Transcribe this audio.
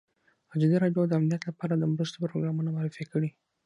ازادي راډیو د امنیت لپاره د مرستو پروګرامونه معرفي کړي.